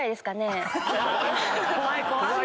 怖い怖い。